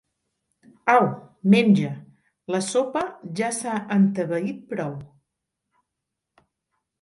Au, menja: la sopa ja s'ha entebeït prou.